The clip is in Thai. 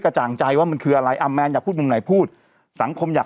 จ่างใจว่ามันคืออะไรอ่ะแมนอยากพูดมุมไหนพูดสังคมอยาก